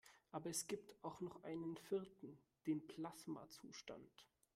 Aber es gibt auch noch einen vierten: Den Plasmazustand.